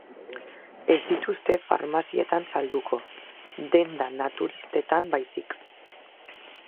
Ez dituzte farmazietan salduko, denda naturistetan baizik.